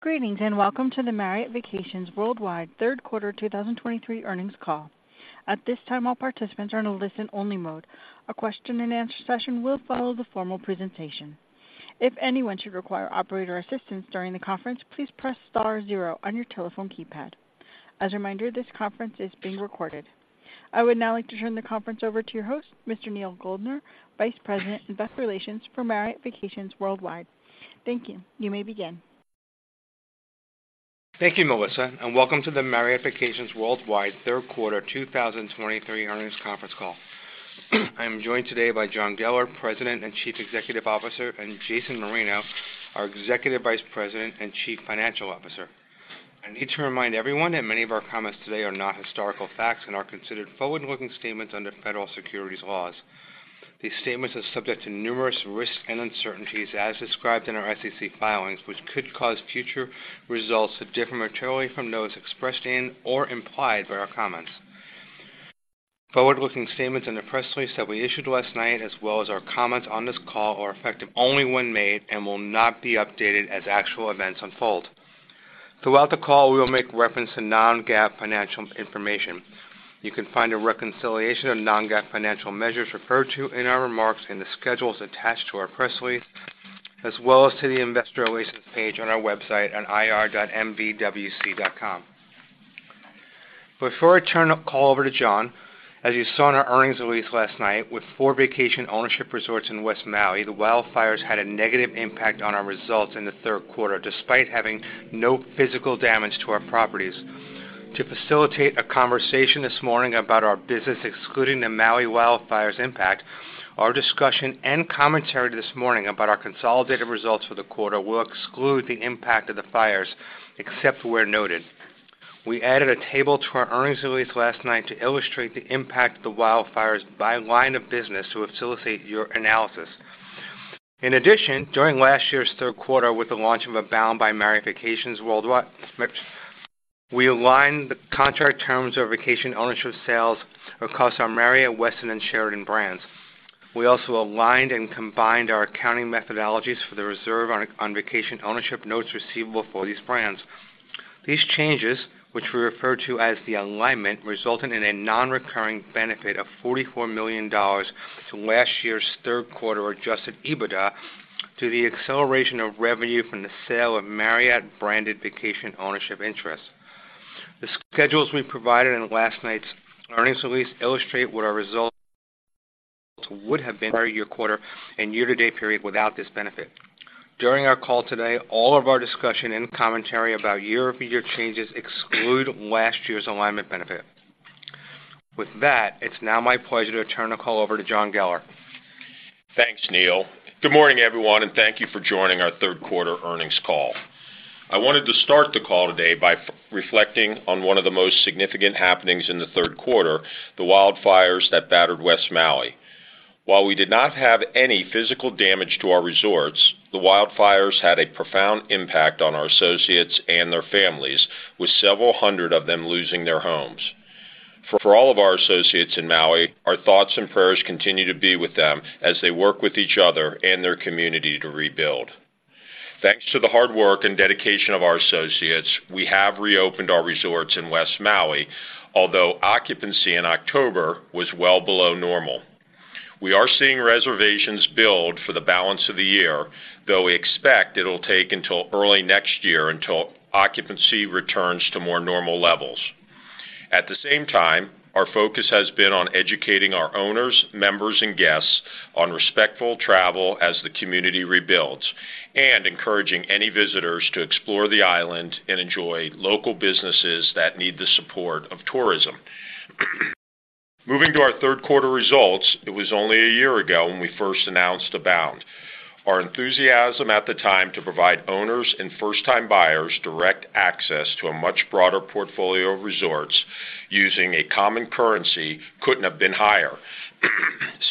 Greetings, and welcome to the Marriott Vacations Worldwide third quarter 2023 earnings call. At this time, all participants are in a listen-only mode. A question-and-answer session will follow the formal presentation. If anyone should require operator assistance during the conference, please press star zero on your telephone keypad. As a reminder, this conference is being recorded. I would now like to turn the conference over to your host, Mr. Neal Goldner, Vice President, Investor Relations for Marriott Vacations Worldwide. Thank you. You may begin. Thank you, Melissa, and welcome to the Marriott Vacations Worldwide third quarter 2023 earnings conference call. I am joined today by John Geller, President and Chief Executive Officer, and Jason Marino, our Executive Vice President and Chief Financial Officer. I need to remind everyone that many of our comments today are not historical facts and are considered forward-looking statements under federal securities laws. These statements are subject to numerous risks and uncertainties, as described in our SEC filings, which could cause future results to differ materially from those expressed in or implied by our comments. Forward-looking statements in the press release that we issued last night, as well as our comments on this call, are effective only when made and will not be updated as actual events unfold. Throughout the call, we will make reference to non-GAAP financial information. You can find a reconciliation of non-GAAP financial measures referred to in our remarks in the schedules attached to our press release, as well as to the Investor Relations page on our website at ir.mvwc.com. Before I turn the call over to John, as you saw in our earnings release last night, with four vacation ownership resorts in West Maui, the wildfires had a negative impact on our results in the third quarter, despite having no physical damage to our properties. To facilitate a conversation this morning about our business, excluding the Maui wildfires impact, our discussion and commentary this morning about our consolidated results for the quarter will exclude the impact of the fires, except where noted. We added a table to our earnings release last night to illustrate the impact of the wildfires by line of business to facilitate your analysis. In addition, during last year's third quarter, with the launch of Abound by Marriott Vacations, we aligned the contract terms of vacation ownership sales across our Marriott, Westin and Sheraton brands. We also aligned and combined our accounting methodologies for the reserve on vacation ownership notes receivable for these brands. These changes, which we refer to as the alignment, resulted in a nonrecurring benefit of $44 million to last year's third quarter Adjusted EBITDA, to the acceleration of revenue from the sale of Marriott-branded vacation ownership interests. The schedules we provided in last night's earnings release illustrate what our results would have been for a year, quarter, and year-to-date period without this benefit. During our call today, all of our discussion and commentary about year-over-year changes exclude last year's alignment benefit. With that, it's now my pleasure to turn the call over to John Geller. Thanks, Neal. Good morning, everyone, and thank you for joining our third quarter earnings call. I wanted to start the call today by reflecting on one of the most significant happenings in the third quarter, the wildfires that battered West Maui. While we did not have any physical damage to our resorts, the wildfires had a profound impact on our associates and their families, with several hundred of them losing their homes. For all of our associates in Maui, our thoughts and prayers continue to be with them as they work with each other and their community to rebuild. Thanks to the hard work and dedication of our associates, we have reopened our resorts in West Maui, although occupancy in October was well below normal. We are seeing reservations build for the balance of the year, though we expect it'll take until early next year until occupancy returns to more normal levels. At the same time, our focus has been on educating our owners, members, and guests on respectful travel as the community rebuilds, and encouraging any visitors to explore the island and enjoy local businesses that need the support of tourism. Moving to our third quarter results, it was only a year ago when we first announced Abound. Our enthusiasm at the time to provide owners and first-time buyers direct access to a much broader portfolio of resorts using a common currency couldn't have been higher.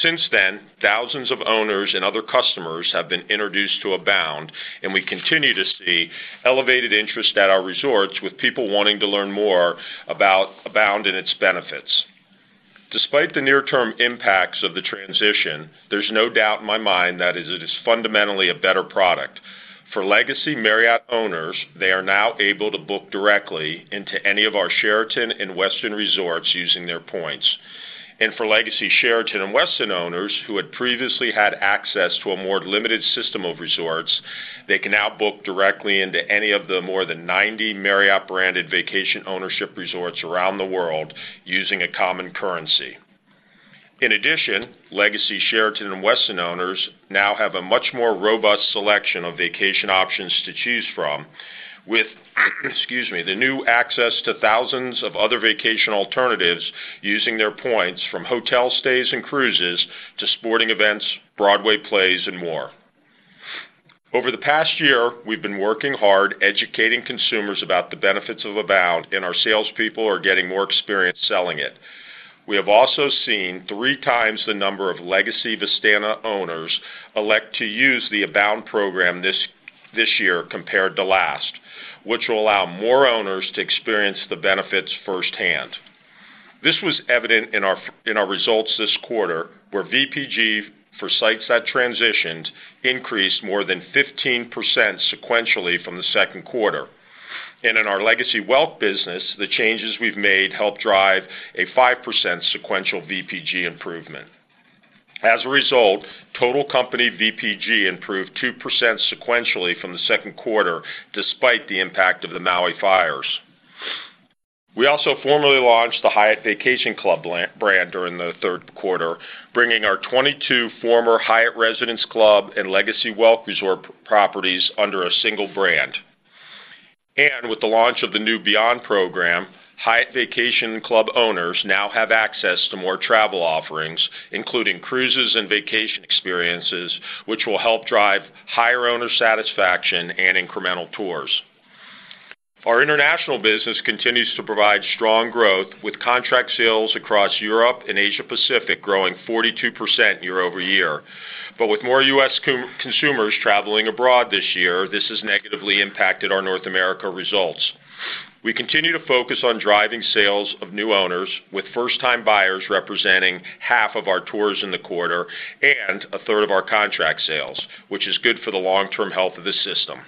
Since then, thousands of owners and other customers have been introduced to Abound, and we continue to see elevated interest at our resorts, with people wanting to learn more about Abound and its benefits. Despite the near-term impacts of the transition, there's no doubt in my mind that it is fundamentally a better product. For legacy Marriott owners, they are now able to book directly into any of our Sheraton and Westin resorts using their points. And for legacy Sheraton and Westin owners, who had previously had access to a more limited system of resorts, they can now book directly into any of the more than 90 Marriott-branded vacation ownership resorts around the world, using a common currency. In addition, legacy Sheraton and Westin owners now have a much more robust selection of vacation options to choose from, with, excuse me, the new access to thousands of other vacation alternatives using their points, from hotel stays and cruises to sporting events, Broadway plays, and more. Over the past year, we've been working hard, educating consumers about the benefits of Abound, and our salespeople are getting more experience selling it. We have also seen three times the number of legacy Vistana owners elect to use the Abound program this year compared to last, which will allow more owners to experience the benefits firsthand. This was evident in our results this quarter, where VPG, for sites that transitioned, increased more than 15% sequentially from the second quarter. And in our legacy Welk business, the changes we've made helped drive a 5% sequential VPG improvement. As a result, total company VPG improved 2% sequentially from the second quarter, despite the impact of the Maui fires. We also formally launched the Hyatt Vacation Club brand during the third quarter, bringing our 22 former Hyatt Residence Club and legacy Welk resort properties under a single brand. With the launch of the new Beyond program, Hyatt Vacation Club owners now have access to more travel offerings, including cruises and vacation experiences, which will help drive higher owner satisfaction and incremental tours. Our international business continues to provide strong growth, with contract sales across Europe and Asia Pacific growing 42% year-over-year. But with more US consumers traveling abroad this year, this has negatively impacted our North America results. We continue to focus on driving sales of new owners, with first-time buyers representing half of our tours in the quarter and a third of our contract sales, which is good for the long-term health of the system.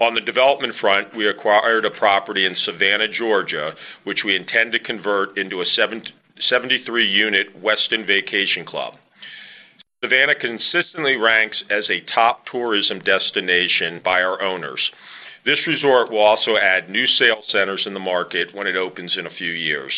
On the development front, we acquired a property in Savannah, Georgia, which we intend to convert into a 73-unit Westin Vacation Club. Savannah consistently ranks as a top tourism destination by our owners. This resort will also add new sales centers in the market when it opens in a few years.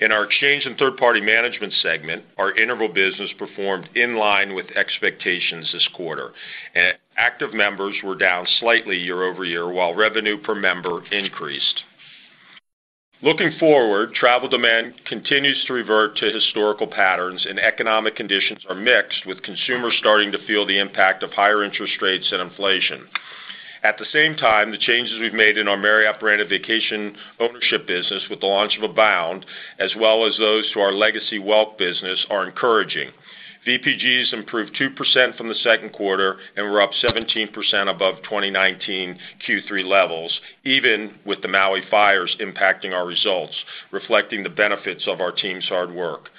In our Exchange and Third-Party Management segment, our interval business performed in line with expectations this quarter, and active members were down slightly year-over-year, while revenue per member increased. Looking forward, travel demand continues to revert to historical patterns, and economic conditions are mixed, with consumers starting to feel the impact of higher interest rates and inflation. At the same time, the changes we've made in our Marriott-branded vacation ownership business with the launch of Abound, as well as those to our legacy Welk business, are encouraging. VPGs improved 2% from the second quarter, and we're up 17% above 2019 Q3 levels, even with the Maui fires impacting our results, reflecting the benefits of our team's hard work.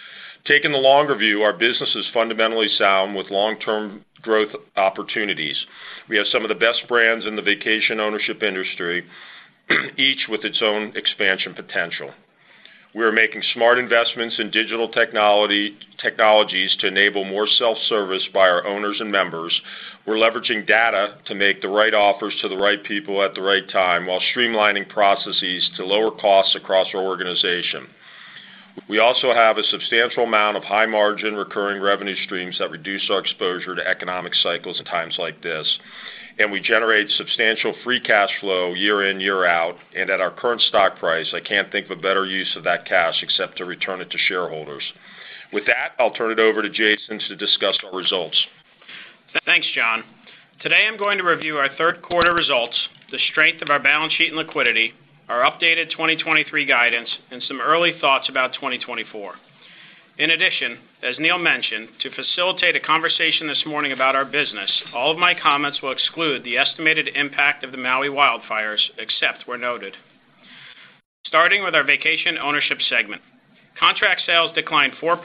Taking the longer view, our business is fundamentally sound, with long-term growth opportunities. We have some of the best brands in the vacation ownership industry, each with its own expansion potential. We are making smart investments in digital technology technologies to enable more self-service by our owners and members. We're leveraging data to make the right offers to the right people at the right time, while streamlining processes to lower costs across our organization. We also have a substantial amount of high-margin, recurring revenue streams that reduce our exposure to economic cycles at times like this, and we generate substantial free cash flow year in, year out, and at our current stock price, I can't think of a better use of that cash except to return it to shareholders. With that, I'll turn it over to Jason to discuss our results. Thanks, John. Today, I'm going to review our third quarter results, the strength of our balance sheet and liquidity, our updated 2023 guidance, and some early thoughts about 2024. In addition, as Neal mentioned, to facilitate a conversation this morning about our business, all of my comments will exclude the estimated impact of the Maui wildfires, except where noted. Starting with our Vacation Ownership segment, contract sales declined 4%,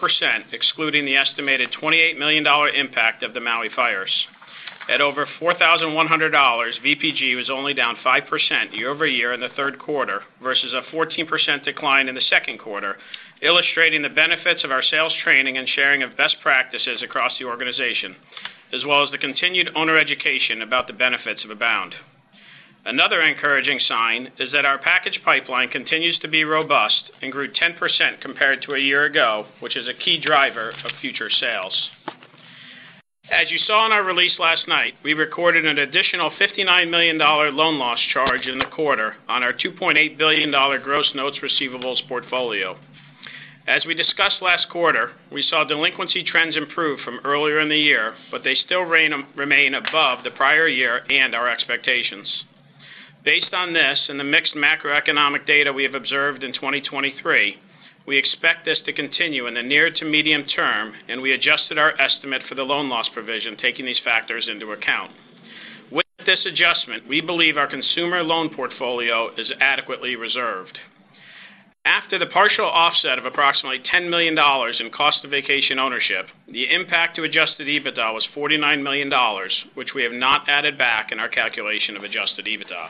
excluding the estimated $28 million impact of the Maui fires. At over $4,100, VPG was only down 5% year-over-year in the third quarter, versus a 14% decline in the second quarter, illustrating the benefits of our sales training and sharing of best practices across the organization, as well as the continued owner education about the benefits of Abound. Another encouraging sign is that our package pipeline continues to be robust and grew 10% compared to a year ago, which is a key driver of future sales. As you saw in our release last night, we recorded an additional $59 million loan loss charge in the quarter on our $2.8 billion gross notes receivables portfolio. As we discussed last quarter, we saw delinquency trends improve from earlier in the year, but they still remain above the prior year and our expectations. Based on this and the mixed macroeconomic data we have observed in 2023, we expect this to continue in the near to medium term, and we adjusted our estimate for the loan loss provision, taking these factors into account. With this adjustment, we believe our consumer loan portfolio is adequately reserved. After the partial offset of approximately $10 million in cost of vacation ownership, the impact to Adjusted EBITDA was $49 million, which we have not added back in our calculation of Adjusted EBITDA.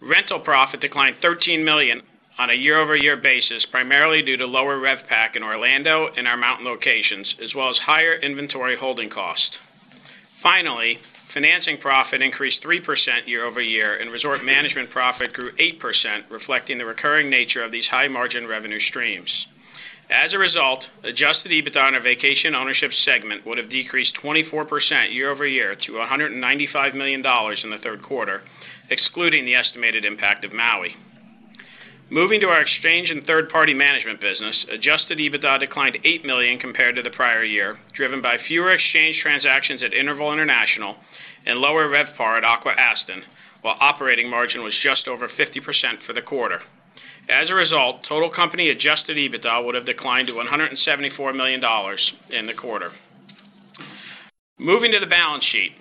Rental profit declined $13 million on a year-over-year basis, primarily due to lower RevPAR in Orlando and our mountain locations, as well as higher inventory holding costs. Finally, financing profit increased 3% year over year, and resort management profit grew 8%, reflecting the recurring nature of these high-margin revenue streams. As a result, Adjusted EBITDA on our vacation ownership segment would have decreased 24% year over year to $195 million in the third quarter, excluding the estimated impact of Maui. Moving to our exchange and third-party management business, Adjusted EBITDA declined $8 million compared to the prior year, driven by fewer exchange transactions at Interval International and lower RevPAR at Aqua-Aston, while operating margin was just over 50% for the quarter. As a result, total company Adjusted EBITDA would have declined to $174 million in the quarter. Moving to the balance sheet.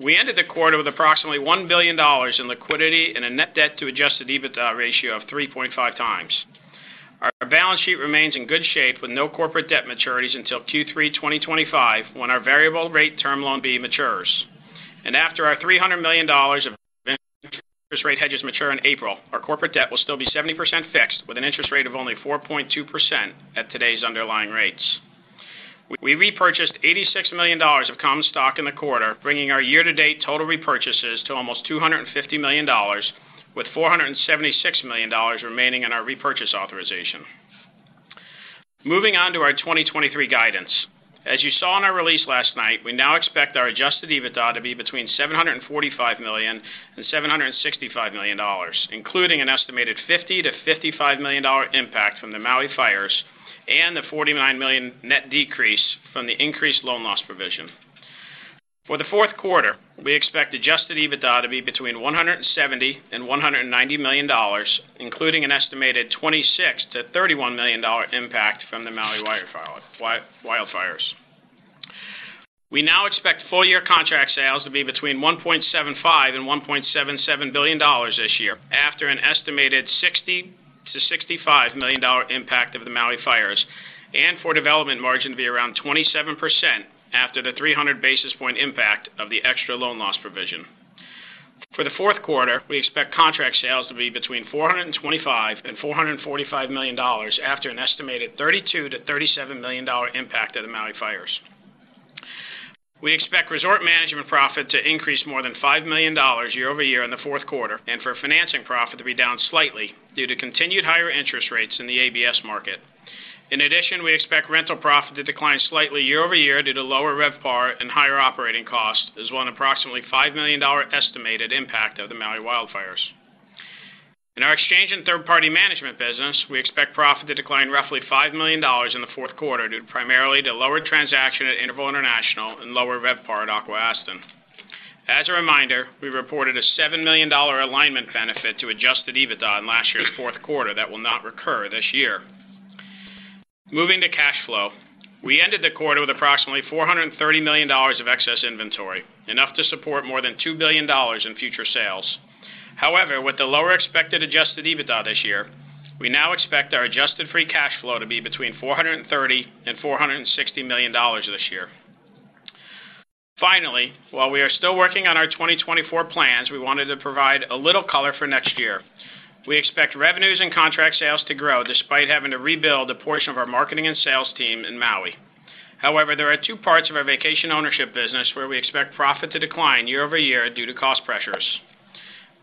We ended the quarter with approximately $1 billion in liquidity and a net debt to Adjusted EBITDA ratio of 3.5 times. Our balance sheet remains in good shape with no corporate debt maturities until Q3 2025, when our variable rate Term Loan B matures. And after our $300 million of interest rate hedges mature in April, our corporate debt will still be 70% fixed, with an interest rate of only 4.2% at today's underlying rates. We repurchased $86 million of common stock in the quarter, bringing our year-to-date total repurchases to almost $250 million, with $476 million remaining in our repurchase authorization. Moving on to our 2023 guidance. As you saw in our release last night, we now expect our Adjusted EBITDA to be between $745 million and $765 million, including an estimated $50-$55 million impact from the Maui fires and the $49 million net decrease from the increased loan loss provision. For the fourth quarter, we expect Adjusted EBITDA to be between $170 million and $190 million, including an estimated $26-$31 million impact from the Maui wildfires. We now expect full-year contract sales to be between $1.75 billion and $1.77 billion this year, after an estimated $60-$65 million impact of the Maui fires, and for development margin to be around 27% after the 300 basis point impact of the extra loan loss provision. For the fourth quarter, we expect contract sales to be between $425-$445 million after an estimated $32-$37 million impact of the Maui fires. We expect resort management profit to increase more than $5 million year-over-year in the fourth quarter and for financing profit to be down slightly due to continued higher interest rates in the ABS market. In addition, we expect rental profit to decline slightly year-over-year due to lower RevPAR and higher operating costs, as well as an approximately $5 million estimated impact of the Maui wildfires. In our exchange and third-party management business, we expect profit to decline roughly $5 million in the fourth quarter, due primarily to lower transactions at Interval International and lower RevPAR at Aqua-Aston. As a reminder, we reported a $7 million alignment benefit to Adjusted EBITDA in last year's fourth quarter that will not recur this year. Moving to cash flow. We ended the quarter with approximately $430 million of excess inventory, enough to support more than $2 billion in future sales. However, with the lower expected Adjusted EBITDA this year, we now expect our Adjusted Free Cash Flow to be between $430 million and $460 million this year. Finally, while we are still working on our 2024 plans, we wanted to provide a little color for next year. We expect revenues and contract sales to grow, despite having to rebuild a portion of our marketing and sales team in Maui. However, there are two parts of our vacation ownership business where we expect profit to decline year-over-year due to cost pressures.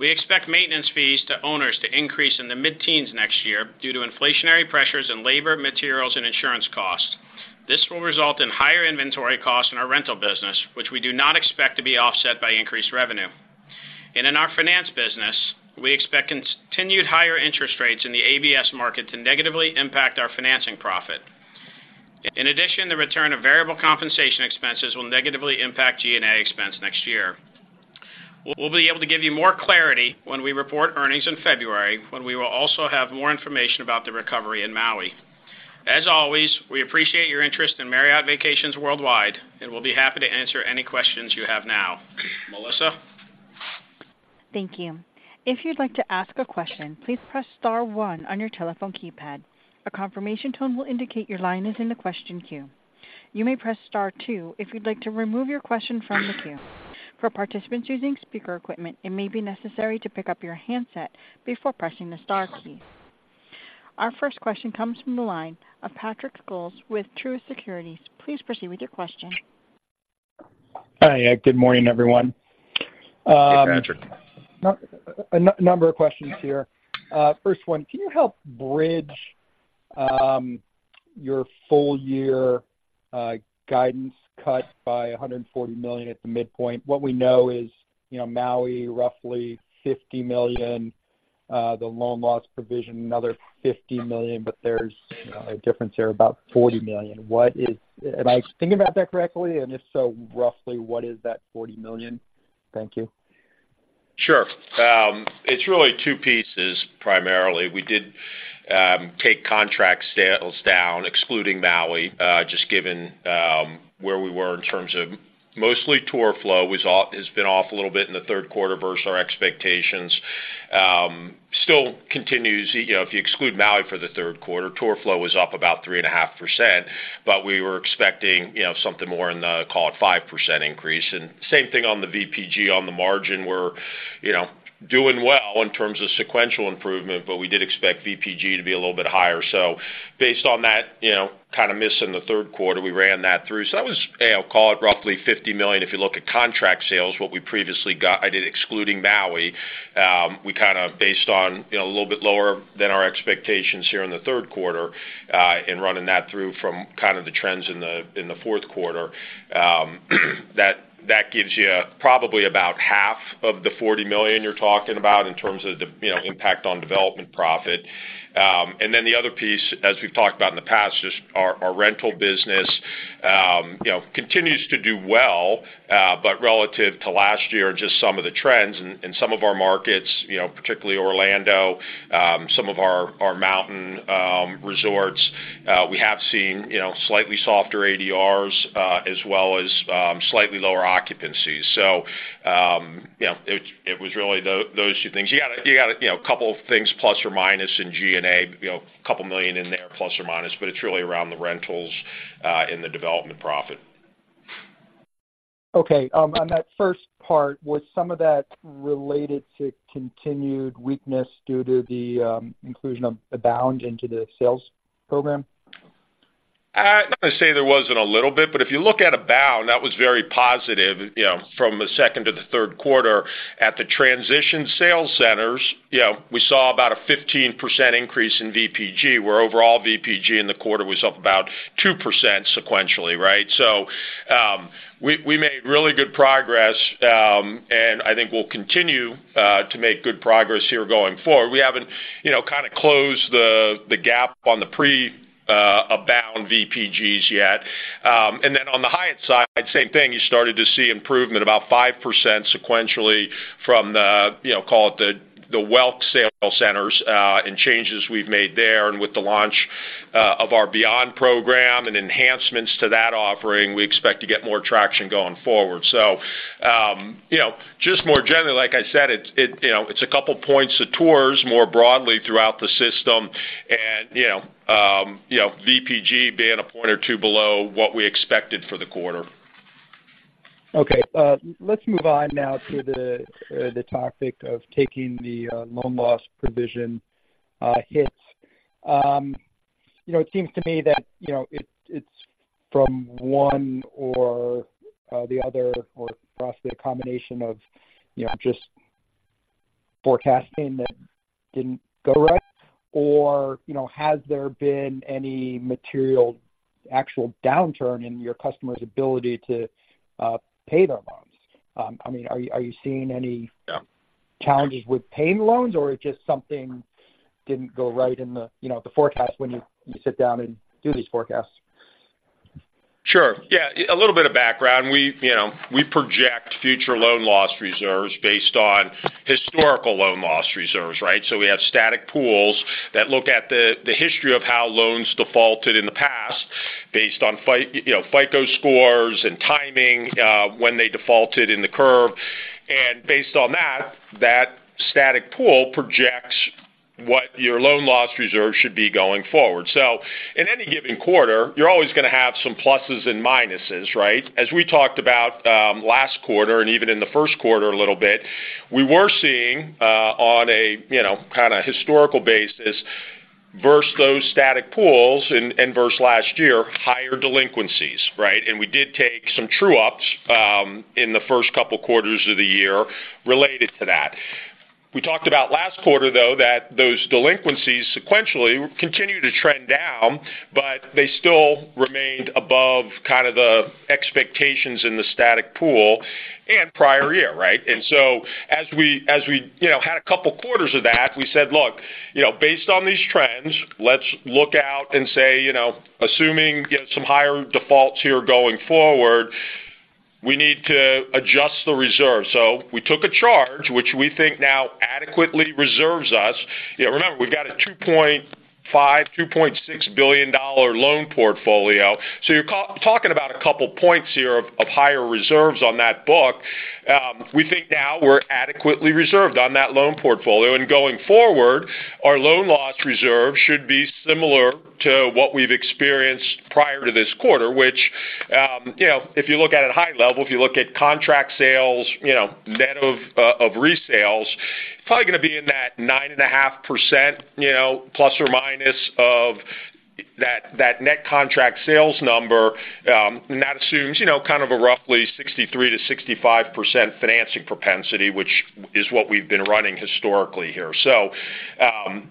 We expect maintenance fees to owners to increase in the mid-teens% next year due to inflationary pressures in labor, materials, and insurance costs. This will result in higher inventory costs in our rental business, which we do not expect to be offset by increased revenue. In our finance business, we expect continued higher interest rates in the ABS market to negatively impact our financing profit. In addition, the return of variable compensation expenses will negatively impact G&A expense next year. We'll be able to give you more clarity when we report earnings in February, when we will also have more information about the recovery in Maui. As always, we appreciate your interest in Marriott Vacations Worldwide, and we'll be happy to answer any questions you have now. Melissa? Thank you. If you'd like to ask a question, please press star one on your telephone keypad. A confirmation tone will indicate your line is in the question queue. You may press star two if you'd like to remove your question from the queue. For participants using speaker equipment, it may be necessary to pick up your handset before pressing the star key. Our first question comes from the line of Patrick Scholes with Truist Securities. Please proceed with your question. Hi, good morning, everyone. Hey, Patrick. A number of questions here. First one, can you help bridge your full year guidance cut by $140 million at the midpoint? What we know is, you know, Maui, roughly $50 million, the loan loss provision, another $50 million, but there's a difference there, about $40 million. What is, am I thinking about that correctly? And if so, roughly, what is that $40 million? Thank you. Sure. It's really two pieces primarily. We did take contract sales down, excluding Maui, just given where we were in terms of mostly tour flow was off—it's been off a little bit in the third quarter versus our expectations. Still continues, you know, if you exclude Maui for the third quarter, tour flow was up about 3.5%, but we were expecting, you know, something more in the, call it, 5% increase. And same thing on the VPG on the margin, we're, you know, doing well in terms of sequential improvement, but we did expect VPG to be a little bit higher. So based on that, you know, kind of miss in the third quarter, we ran that through. So that was, hey, I'll call it roughly $50 million. If you look at contract sales, what we previously guided, excluding Maui, we kind of based on, you know, a little bit lower than our expectations here in the third quarter, in running that through from kind of the trends in the fourth quarter. That gives you probably about half of the $40 million you're talking about in terms of the, you know, impact on development profit. And then the other piece, as we've talked about in the past, just our rental business, you know, continues to do well, but relative to last year and just some of the trends in some of our markets, you know, particularly Orlando, some of our mountain resorts, we have seen, you know, slightly softer ADRs, as well as slightly lower occupancies. So, you know, it was really those two things. You got, you got, you know, a couple of things plus or minus in G&A, you know, $2 million in there, plus or minus, but it's really around the rentals, and the development profit.... Okay, on that first part, was some of that related to continued weakness due to the inclusion of Abound into the sales program? I'm not going to say there wasn't a little bit, but if you look at Abound, that was very positive, you know, from the second to the third quarter. At the transition sales centers, you know, we saw about a 15% increase in VPG, where overall VPG in the quarter was up about 2% sequentially, right? So, we made really good progress, and I think we'll continue to make good progress here going forward. We haven't, you know, kind of closed the gap on the pre-Abound VPGs yet. And then on the Hyatt side, same thing, you started to see improvement about 5% sequentially from the, you know, call it the Welk sales centers, and changes we've made there. With the launch of our Beyond program and enhancements to that offering, we expect to get more traction going forward. So, you know, just more generally, like I said, it you know, it's a couple of points to tours more broadly throughout the system. You know, you know, VPG being a point or two below what we expected for the quarter. Okay, let's move on now to the topic of taking the loan loss provision hits. You know, it seems to me that, you know, it's from one or the other, or possibly a combination of, you know, just forecasting that didn't go right, or, you know, has there been any material actual downturn in your customers' ability to pay their loans? I mean, are you, are you seeing any- Yeah... challenges with paying loans, or it's just something didn't go right in the, you know, the forecast when you, you sit down and do these forecasts? Sure. Yeah, a little bit of background. We, you know, we project future loan loss reserves based on historical loan loss reserves, right? So we have static pools that look at the history of how loans defaulted in the past, based on, you know, FICO scores and timing, when they defaulted in the curve. And based on that, that static pool projects what your loan loss reserve should be going forward. So in any given quarter, you're always going to have some pluses and minuses, right? As we talked about last quarter, and even in the first quarter a little bit, we were seeing on a, you know, kind of historical basis, versus those static pools and versus last year, higher delinquencies, right? And we did take some true ups in the first couple of quarters of the year related to that. We talked about last quarter, though, that those delinquencies sequentially continued to trend down, but they still remained above kind of the expectations in the static pool and prior year, right? And so as we, as we, you know, had a couple of quarters of that, we said, "Look, you know, based on these trends, let's look out and say, you know, assuming, get some higher defaults here going forward, we need to adjust the reserve." So we took a charge, which we think now adequately reserves us. You know, remember, we've got a $2.5-$2.6 billion loan portfolio, so you're talking about a couple of points here of higher reserves on that book. We think now we're adequately reserved on that loan portfolio, and going forward, our loan loss reserve should be similar to what we've experienced prior to this quarter, which, you know, if you look at it high level, if you look at contract sales, you know, net of resales, it's probably going to be in that 9.5%, you know, plus or minus of that, that net contract sales number. And that assumes, you know, kind of a roughly 63%-65% financing propensity, which is what we've been running historically here. So,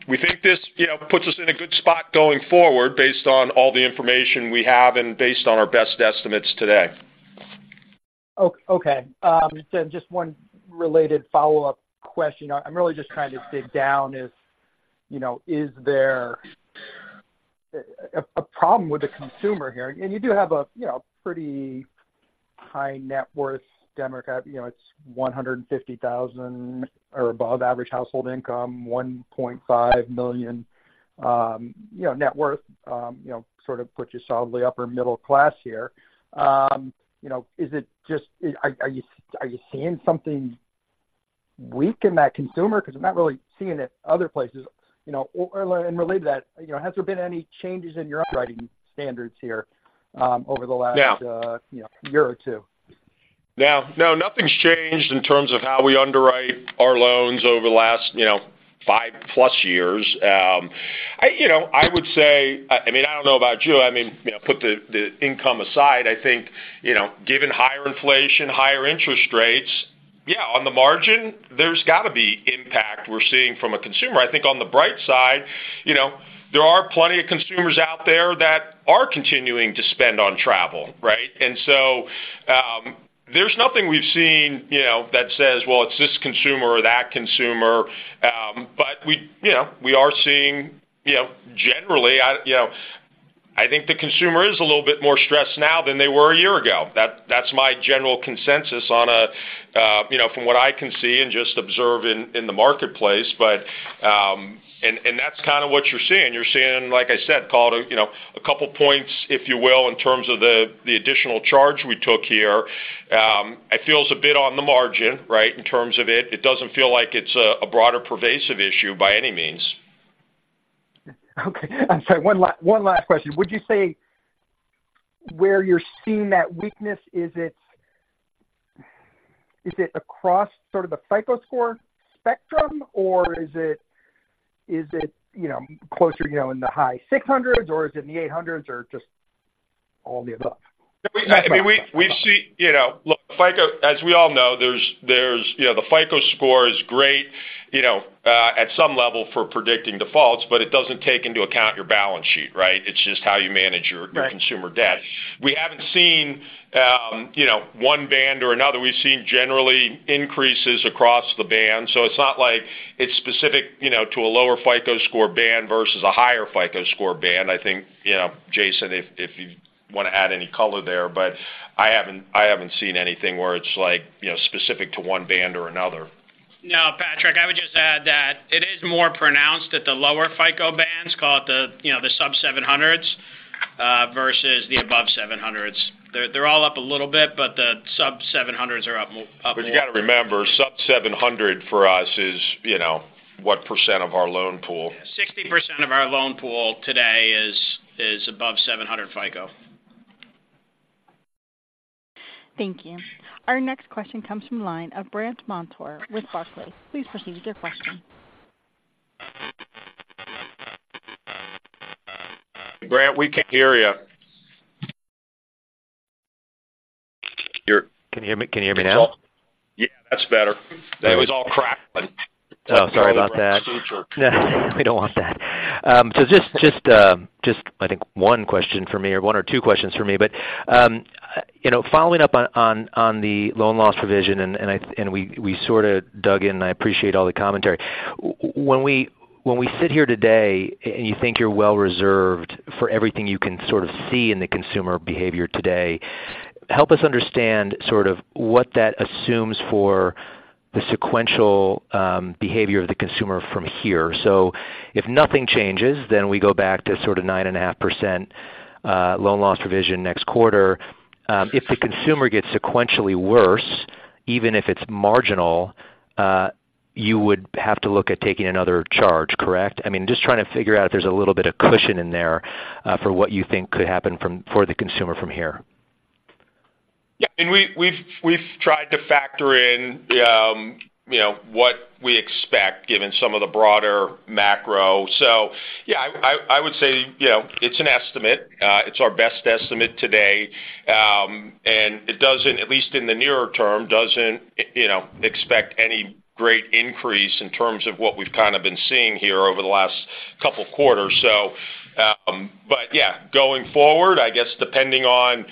we think this, you know, puts us in a good spot going forward based on all the information we have and based on our best estimates today. Okay. Then just one related follow-up question. I'm really just trying to dig down if, you know, is there a problem with the consumer here? And you do have a, you know, pretty high net worth demographic. You know, it's $150,000 or above average household income, $1.5 million net worth, you know, sort of puts you solidly upper middle class here. You know, is it just... Are you seeing something weak in that consumer? Because I'm not really seeing it other places. You know, or, and related to that, you know, has there been any changes in your underwriting standards here, over the last- No... you know, year or two? No, no, nothing's changed in terms of how we underwrite our loans over the last, you know, 5+ years. I, you know, I would say, I mean, I don't know about you, I mean, you know, put the income aside, I think, you know, given higher inflation, higher interest rates, yeah, on the margin, there's got to be impact we're seeing from a consumer. I think on the bright side, you know, there are plenty of consumers out there that are continuing to spend on travel, right? And so, there's nothing we've seen, you know, that says, well, it's this consumer or that consumer. But we, you know, we are seeing, you know, generally, I think the consumer is a little bit more stressed now than they were a year ago. That's my general consensus on a, you know, from what I can see and just observe in the marketplace. But, and that's kind of what you're seeing. You're seeing, like I said, call it, you know, a couple of points, if you will, in terms of the additional charge we took here. It feels a bit on the margin, right, in terms of it. It doesn't feel like it's a broader pervasive issue by any means. ... Okay. I'm sorry, one last question. Would you say where you're seeing that weakness, is it across sort of the FICO score spectrum, or is it, you know, closer, you know, in the high six hundreds, or is it in the eight hundreds, or just all the above? I mean, we see, you know, look, FICO, as we all know, there's, you know, the FICO score is great, you know, at some level for predicting defaults, but it doesn't take into account your balance sheet, right? It's just how you manage your- Right. -your consumer debt. We haven't seen, you know, one band or another. We've seen generally increases across the band, so it's not like it's specific, you know, to a lower FICO Score band versus a higher FICO Score band. I think, you know, Jason, if you want to add any color there, but I haven't seen anything where it's like, you know, specific to one band or another. No, Patrick, I would just add that it is more pronounced at the lower FICO bands, call it the, you know, the sub-700s versus the above-700s. They're all up a little bit, but the sub-700s are up more... But you got to remember, sub 700 for us is, you know, what % of our loan pool? 60% of our loan pool today is above 700 FICO. Thank you. Our next question comes from line of Brandt Montour with Barclays. Please proceed with your question. Brandt, we can't hear you. Can you hear me, can you hear me now? Yeah, that's better. It was all crackling. Oh, sorry about that. Sure. We don't want that. So just I think one question for me, or one or two questions for me. But you know, following up on the loan loss provision, and we sort of dug in, and I appreciate all the commentary. When we sit here today and you think you're well reserved for everything you can sort of see in the consumer behavior today, help us understand sort of what that assumes for the sequential behavior of the consumer from here? So if nothing changes, then we go back to sort of 9.5% loan loss provision next quarter. If the consumer gets sequentially worse, even if it's marginal, you would have to look at taking another charge, correct? I mean, just trying to figure out if there's a little bit of cushion in there, for what you think could happen for the consumer from here. Yeah, and we've tried to factor in, you know, what we expect, given some of the broader macro. So yeah, I would say, you know, it's an estimate. It's our best estimate today, and it doesn't, at least in the nearer term, you know, expect any great increase in terms of what we've kind of been seeing here over the last couple of quarters. So, but yeah, going forward, I guess depending on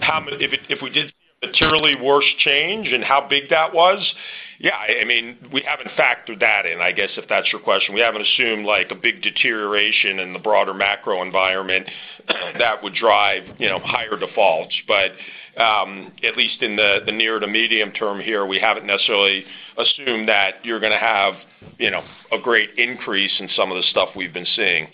how much—if it—if we did a materially worse change and how big that was, yeah, I mean, we haven't factored that in, I guess, if that's your question. We haven't assumed, like, a big deterioration in the broader macro environment that would drive, you know, higher defaults. But, at least in the near to medium term here, we haven't necessarily assumed that you're gonna have, you know, a great increase in some of the stuff we've been seeing.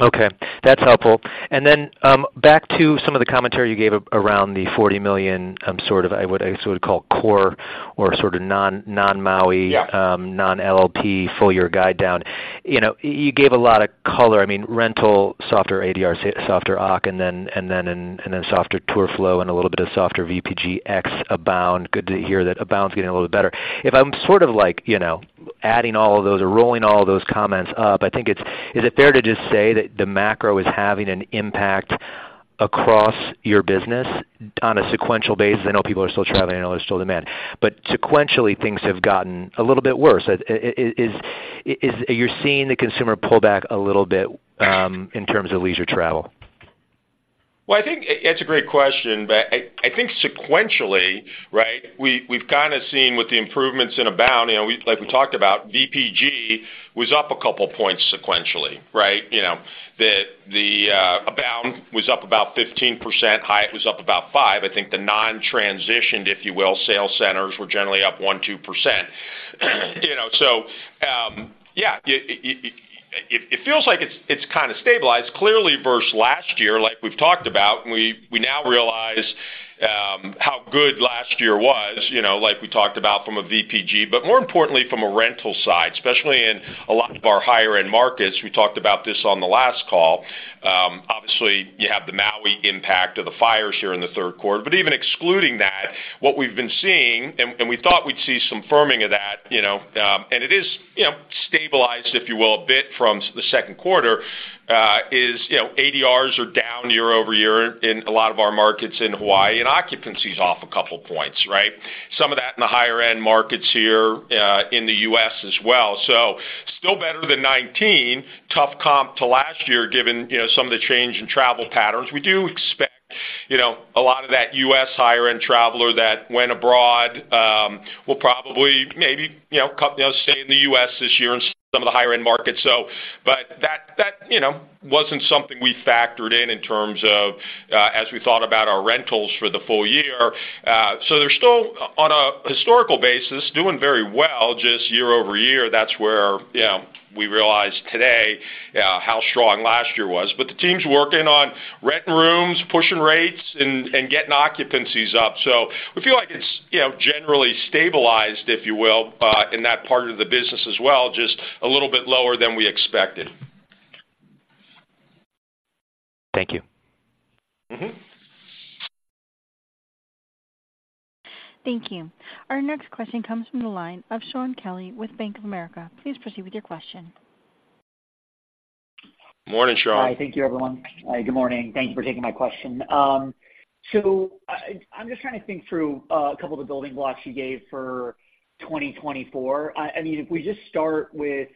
Okay, that's helpful. And then, back to some of the commentary you gave around the $40 million, sort of I would, I would sort of call core or sort of non, non-Maui- Yeah... non-LLP, full-year guide down. You know, you gave a lot of color. I mean, rental, softer ADR, softer OCC, and then softer tour flow and a little bit of softer VPG ex Abound. Good to hear that Abound's getting a little better. If I'm sort of like, you know, adding all of those or rolling all those comments up, I think it's. Is it fair to just say that the macro is having an impact across your business on a sequential basis? I know people are still traveling, I know there's still demand. But sequentially, things have gotten a little bit worse. Are you seeing the consumer pull back a little bit in terms of leisure travel? Well, I think it's a great question, but I, I think sequentially, right, we, we've kind of seen with the improvements in Abound, you know, like we talked about, VPG was up a couple points sequentially, right? You know, the Abound was up about 15%, Hyatt was up about 5%. I think the non-transitioned, if you will, sales centers were generally up 1-2%. You know, so, yeah, it feels like it's, it's kind of stabilized. Clearly, versus last year, like we've talked about, and we, we now realize, how good last year was, you know, like we talked about from a VPG, but more importantly, from a rental side, especially in a lot of our higher-end markets. We talked about this on the last call. Obviously, you have the Maui impact of the fires here in the third quarter. But even excluding that, what we've been seeing, and we thought we'd see some firming of that, you know, and it is, you know, stabilized, if you will, a bit from the second quarter, is, you know, ADRs are down year-over-year in a lot of our markets in Hawaii, and occupancy is off a couple points, right? Some of that in the higher-end markets here in the US as well. So still better than nineteen. Tough comp to last year, given, you know, some of the change in travel patterns. We do expect, you know, a lot of that US higher-end traveler that went abroad, will probably maybe, you know, come, you know, stay in the US this year in some of the higher-end markets. So, but that, that, you know, wasn't something we factored in in terms of, as we thought about our rentals for the full year. So they're still, on a historical basis, doing very well, just year over year that's where, you know, we realize today, how strong last year was. But the team's working on renting rooms, pushing rates, and, and getting occupancies up. So we feel like it's, you know, generally stabilized, if you will, in that part of the business as well, just a little bit lower than we expected.... Thank you. Mm-hmm. Thank you. Our next question comes from the line of Shaun Kelley with Bank of America. Please proceed with your question. Morning, Sean. Hi. Thank you, everyone. Good morning. Thank you for taking my question. So, I'm just trying to think through a couple of the building blocks you gave for 2024. I mean, if we just start with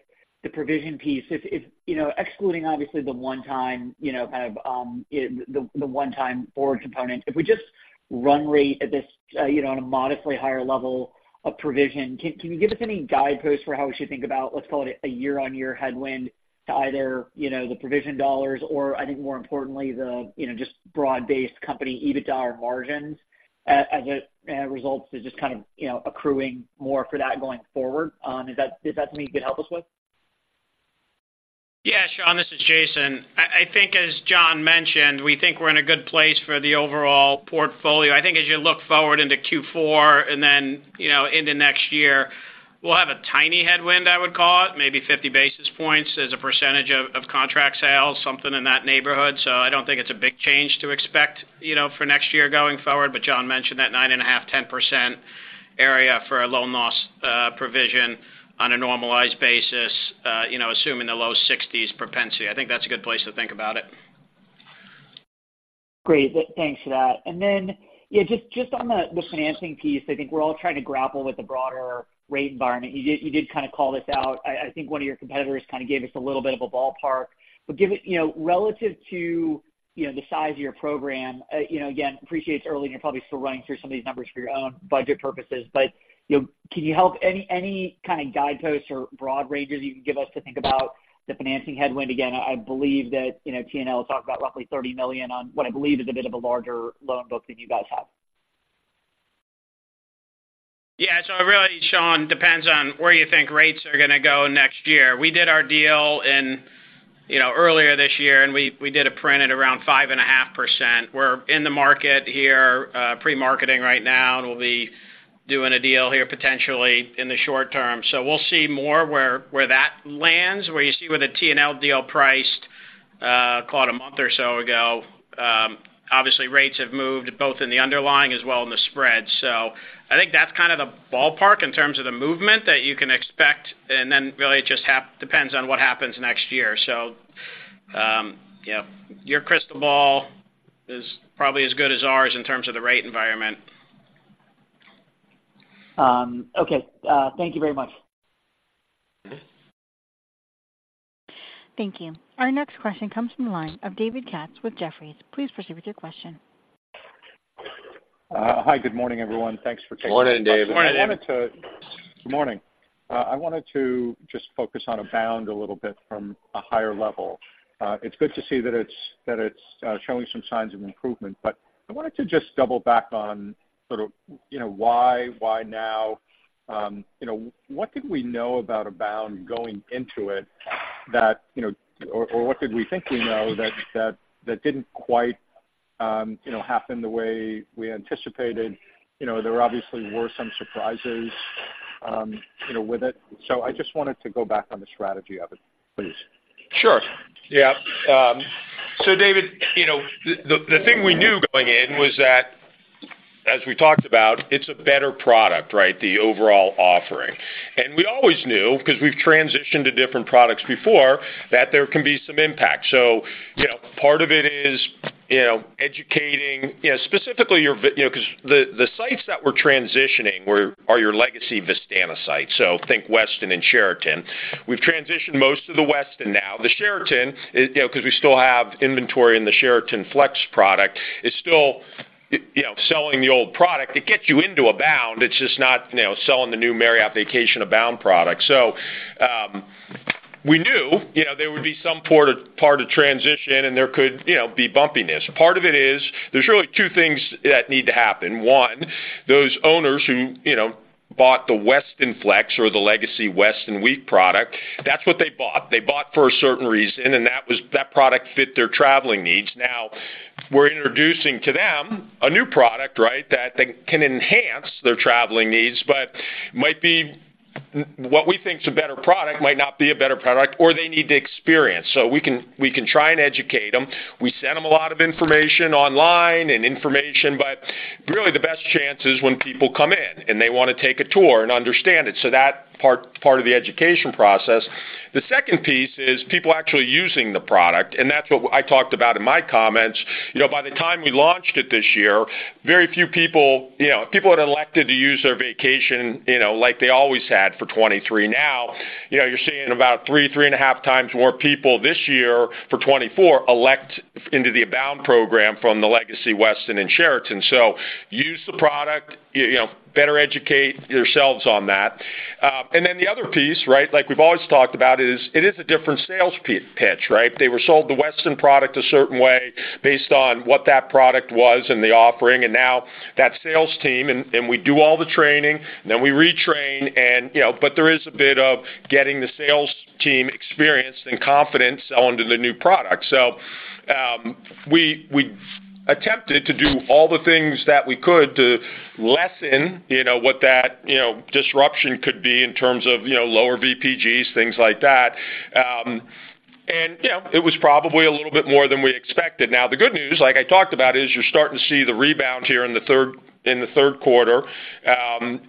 the provision piece, if you know, excluding obviously the one-time, you know, kind of, the one-time forward component, if we just run rate at this, you know, on a modestly higher level of provision, can you give us any guideposts for how we should think about, let's call it a year-on-year headwind to either, you know, the provision dollars, or I think more importantly, the, you know, just broad-based company EBITDA margins, as it results to just kind of, you know, accruing more for that going forward? Is that something you could help us with? Yeah, Sean, this is Jason. I think as John mentioned, we think we're in a good place for the overall portfolio. I think as you look forward into Q4 and then, you know, into next year, we'll have a tiny headwind, I would call it, maybe 50 basis points as a percentage of contract sales, something in that neighborhood. So I don't think it's a big change to expect, you know, for next year going forward. But John mentioned that 9.5%-10% area for a loan loss provision on a normalized basis, you know, assuming the low 60s propensity. I think that's a good place to think about it. Great. Thanks for that. And then, yeah, just on the financing piece, I think we're all trying to grapple with the broader rate environment. You did kind of call this out. I think one of your competitors kind of gave us a little bit of a ballpark, but give it... You know, relative to, you know, the size of your program, you know, again, appreciate it's early, and you're probably still running through some of these numbers for your own budget purposes. But, you know, can you help any kind of guideposts or broad ranges you can give us to think about the financing headwind? Again, I believe that, you know, TNL has talked about roughly $30 million on what I believe is a bit of a larger loan book than you guys have. Yeah, so it really, Sean, depends on where you think rates are going to go next year. We did our deal in, you know, earlier this year, and we, we did it printed around 5.5%. We're in the market here, pre-marketing right now, and we'll be doing a deal here potentially in the short term. So we'll see more where, where that lands, where you see where the TNL deal priced, call it a month or so ago. Obviously, rates have moved both in the underlying as well in the spread. So I think that's kind of the ballpark in terms of the movement that you can expect, and then really it just depends on what happens next year. So, yeah, your crystal ball is probably as good as ours in terms of the rate environment. Okay. Thank you very much. Thank you. Our next question comes from the line of David Katz with Jefferies. Please proceed with your question. Hi, good morning, everyone. Thanks for taking- Morning, David. Morning. Good morning. I wanted to just focus on Abound a little bit from a higher level. It's good to see that it's showing some signs of improvement, but I wanted to just double back on sort of, you know, why, why now? You know, what did we know about Abound going into it that, you know, or, or what did we think we know that, that, that didn't quite, you know, happen the way we anticipated? You know, there obviously were some surprises, you know, with it. So I just wanted to go back on the strategy of it, please. Sure. Yeah. So David, you know, the thing we knew going in was that, as we talked about, it's a better product, right? The overall offering. And we always knew, because we've transitioned to different products before, that there can be some impact. So, you know, part of it is, you know, educating, you know, specifically your Vistana, you know, because the sites that we're transitioning are your legacy Vistana sites, so think Westin and Sheraton. We've transitioned most of the Westin now. The Sheraton is, you know, because we still have inventory in the Sheraton Flex product, still, you know, selling the old product. It gets you into Abound. It's just not, you know, selling the new Marriott Vacation Abound product. So, we knew, you know, there would be some part of transition, and there could, you know, be bumpiness. Part of it is there's really two things that need to happen. One, those owners who, you know, bought the Westin Flex or the legacy Westin week product, that's what they bought. They bought for a certain reason, and that was - that product fit their traveling needs. Now, we're introducing to them a new product, right, that they can enhance their traveling needs, but might be... What we think is a better product might not be a better product, or they need the experience, so we can try and educate them. We send them a lot of information online and information, but really the best chance is when people come in and they want to take a tour and understand it. So that part, part of the education process. The second piece is people actually using the product, and that's what I talked about in my comments. You know, by the time we launched it this year, very few people, you know, people had elected to use their vacation, you know, like they always had for 2023. Now, you know, you're seeing about 3-3.5 times more people this year for 2024 elect into the Abound program from the legacy Westin and Sheraton. So use the product, you know, better educate yourselves on that. And then the other piece, right, like we've always talked about, is it is a different sales pitch, right? They were sold the Westin product a certain way based on what that product was and the offering, and now that sales team, and, and we do all the training, then we retrain and, you know, but there is a bit of getting the sales team experienced and confident selling to the new product. So, we, we attempted to do all the things that we could to lessen, you know, what that, you know, disruption could be in terms of, you know, lower VPGs, things like that. Yeah, it was probably a little bit more than we expected. Now, the good news, like I talked about, is you're starting to see the rebound here in the third, in the third quarter. And,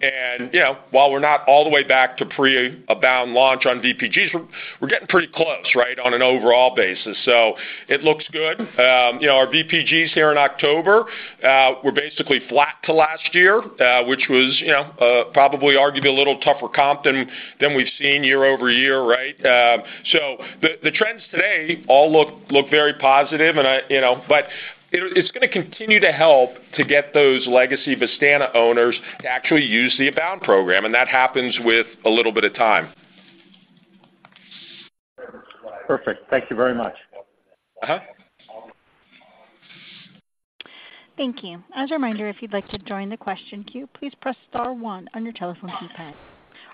you know, while we're not all the way back to pre-Abound launch on VPGs, we're, we're getting pretty close, right, on an overall basis. So it looks good. You know, our VPGs here in October were basically flat to last year, which was, you know, probably arguably a little tougher comp than we've seen year-over-year, right? So the trends today all look very positive, and you know, but it, it's going to continue to help to get those legacy Vistana owners to actually use the Abound program, and that happens with a little bit of time. Perfect. Thank you very much. Uh-huh. Thank you. As a reminder, if you'd like to join the question queue, please press star one on your telephone keypad.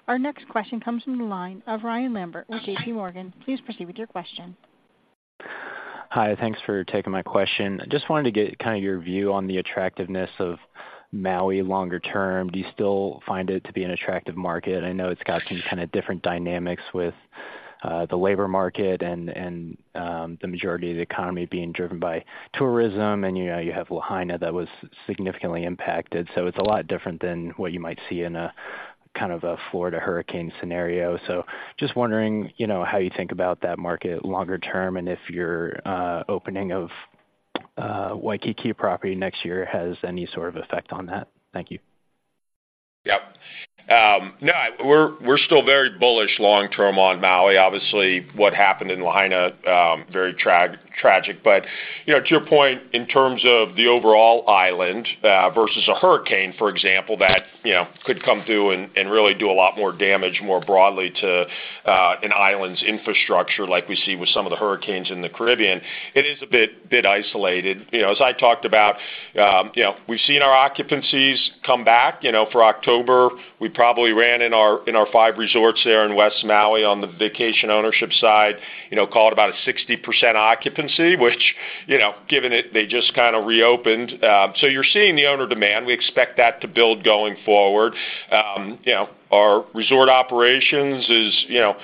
Our next question comes from the line of Ryan Lambert with JPMorgan. Please proceed with your question. Hi, thanks for taking my question. Just wanted to get kind of your view on the attractiveness of Maui longer term. Do you still find it to be an attractive market? I know it's got some kind of different dynamics with the labor market and the majority of the economy being driven by tourism, and, you know, you have Lahaina, that was significantly impacted. So it's a lot different than what you might see in a kind of a Florida hurricane scenario. So just wondering, you know, how you think about that market longer term, and if your opening of Waikiki property next year has any sort of effect on that? Thank you. Yep. No, we're still very bullish long term on Maui. Obviously, what happened in Lahaina very tragic. But, you know, to your point, in terms of the overall island versus a hurricane, for example, that, you know, could come through and really do a lot more damage more broadly to an island's infrastructure like we see with some of the hurricanes in the Caribbean, it is a bit isolated. You know, as I talked about, you know, we've seen our occupancies come back. You know, for October, we probably ran in our five resorts there in West Maui on the vacation ownership side, you know, call it about a 60% occupancy, which, you know, given it, they just kind of reopened. So you're seeing the owner demand. We expect that to build going forward. You know, our resort operations is, you know,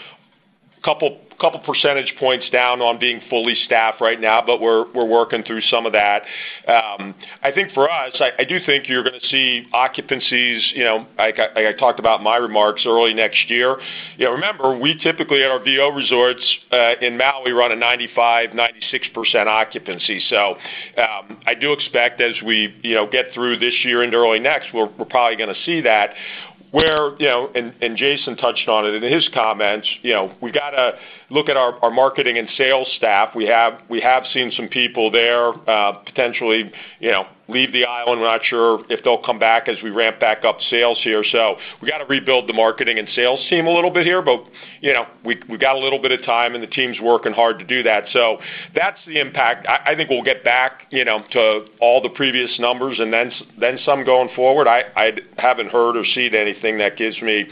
couple percentage points down on being fully staffed right now, but we're working through some of that. I think for us, I do think you're going to see occupancies, you know, like I talked about in my remarks, early next year. You know, remember, we typically, at our VO resorts in Maui, run a 95%-96% occupancy. So, I do expect as we, you know, get through this year into early next, we're probably going to see that. And Jason touched on it in his comments, you know, we got to look at our marketing and sales staff. We have seen some people there potentially, you know, leave the island. We're not sure if they'll come back as we ramp back up sales here. So we got to rebuild the marketing and sales team a little bit here, but, you know, we, we've got a little bit of time, and the team's working hard to do that. So that's the impact. I, I think we'll get back, you know, to all the previous numbers and then, then some going forward. I, I haven't heard or seen anything that gives me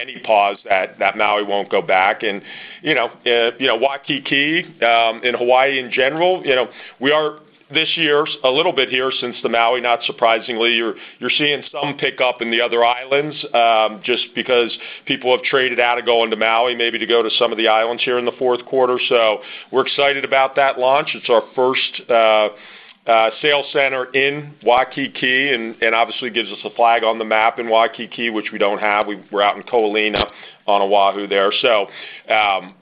any pause that, that Maui won't go back. And, you know, Waikiki in Hawaii in general, you know, we are, this year, a little bit here since the Maui, not surprisingly, you're, you're seeing some pickup in the other islands, just because people have traded out of going to Maui, maybe to go to some of the islands here in the fourth quarter. So we're excited about that launch. It's our first sales center in Waikiki and obviously gives us a flag on the map in Waikiki, which we don't have. We're out in Ko Olina on Oahu there. So,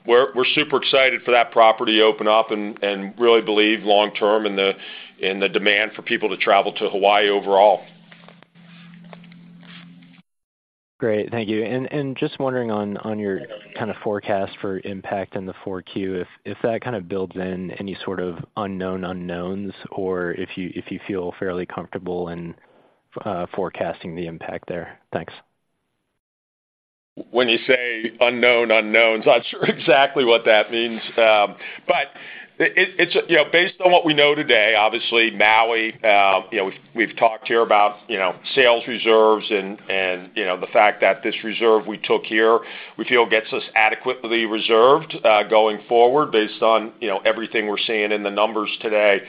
we're super excited for that property to open up and really believe long term in the demand for people to travel to Hawaii overall. Great. Thank you. And just wondering on your kind of forecast for impact in the Q4, if that kind of builds in any sort of unknown unknowns, or if you feel fairly comfortable in forecasting the impact there. Thanks. When you say unknown unknowns, I'm not sure exactly what that means. But it's, you know, based on what we know today, obviously, Maui, you know, we've talked here about, you know, sales reserves and, you know, the fact that this reserve we took here, we feel gets us adequately reserved, going forward, based on, you know, everything we're seeing in the numbers today.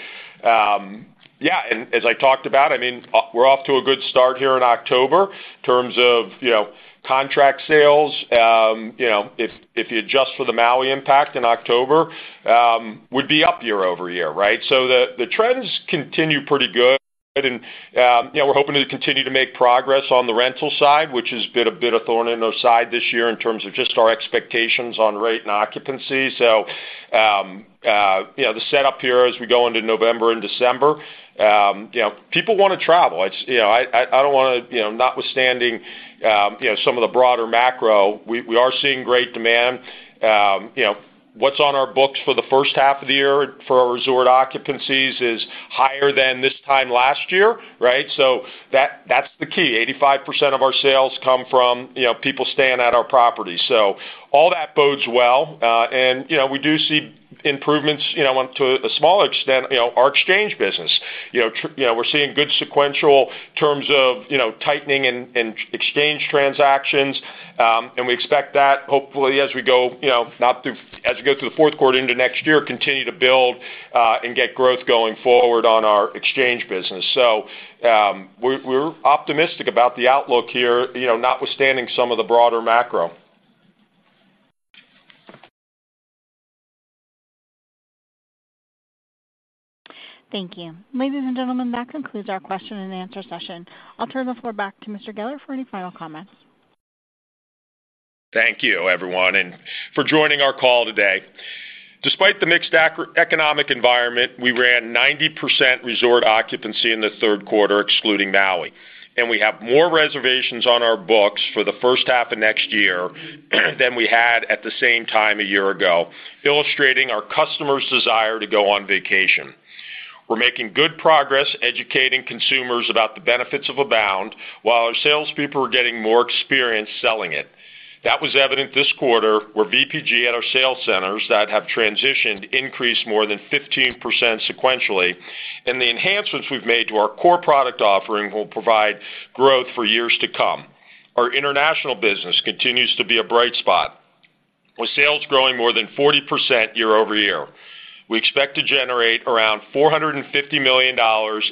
Yeah, and as I talked about, I mean, we're off to a good start here in October in terms of, you know, contract sales. You know, if you adjust for the Maui impact in October, we'd be up year-over-year, right? So the trends continue pretty good, and, you know, we're hoping to continue to make progress on the rental side, which has been a bit of thorn in our side this year in terms of just our expectations on rate and occupancy. So, you know, the setup here as we go into November and December, you know, people want to travel. It's, you know, I don't want to, you know, notwithstanding, you know, some of the broader macro, we are seeing great demand. You know, what's on our books for the first half of the year for our resort occupancies is higher than this time last year, right? So that's the key. 85% of our sales come from, you know, people staying at our property. So all that bodes well, and, you know, we do see improvements, you know, on to a smaller extent, you know, our exchange business. You know, we're seeing good sequential terms of, you know, tightening in, in exchange transactions, and we expect that hopefully, as we go, you know, as we go through the fourth quarter into next year, continue to build, and get growth going forward on our exchange business. So, we're, we're optimistic about the outlook here, you know, notwithstanding some of the broader macro. ...Thank you. Ladies and gentlemen, that concludes our question and answer session. I'll turn the floor back to Mr. Geller for any final comments. Thank you, everyone, and for joining our call today. Despite the mixed economic environment, we ran 90% resort occupancy in the third quarter, excluding Maui, and we have more reservations on our books for the first half of next year than we had at the same time a year ago, illustrating our customers' desire to go on vacation. We're making good progress educating consumers about the benefits of Abound, while our salespeople are getting more experience selling it. That was evident this quarter, where VPG at our sales centers that have transitioned increased more than 15% sequentially, and the enhancements we've made to our core product offering will provide growth for years to come. Our international business continues to be a bright spot, with sales growing more than 40% year-over-year. We expect to generate around $450 million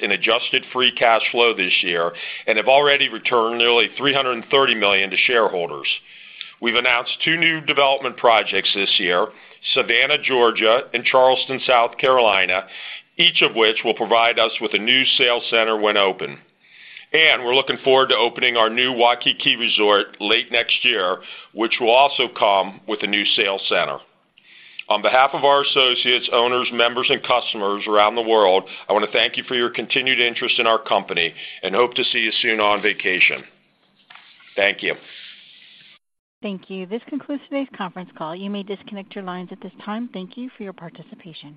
in Adjusted Free Cash Flow this year and have already returned nearly $330 million to shareholders. We've announced two new development projects this year, Savannah, Georgia, and Charleston, South Carolina, each of which will provide us with a new sales center when open. We're looking forward to opening our new Waikiki Resort late next year, which will also come with a new sales center. On behalf of our associates, owners, members, and customers around the world, I want to thank you for your continued interest in our company and hope to see you soon on vacation. Thank you. Thank you. This concludes today's conference call. You may disconnect your lines at this time. Thank you for your participation.